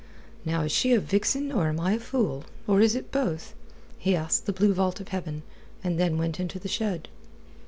"Now is she a vixen or am I a fool, or is it both?" he asked the blue vault of heaven, and then went into the shed.